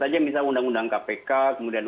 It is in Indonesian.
saja misalnya undang undang kpk kemudian